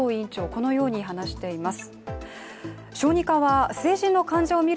このように話しています。